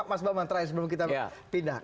mas bambang terakhir sebelum kita pindah